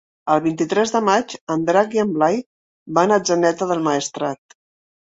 El vint-i-tres de maig en Drac i en Blai van a Atzeneta del Maestrat.